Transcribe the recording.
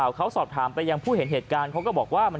โอ้โหออกมาจากการไปซื้อของเห็นอย่างนี้ก็ตกใจสิครับ